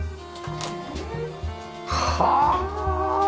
はあ！